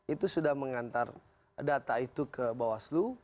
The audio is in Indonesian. itu sudah mengantar data itu ke bawah aslo